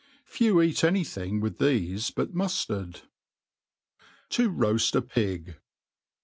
Few eat any thing with thefe but muilard* To roajl a Pig.